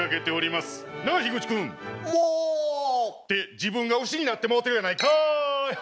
じぶんがうしになってもうてるやないかい！